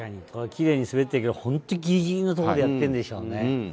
きれいに滑ってるけど本当ギリギリのところでやってるんでしょうね。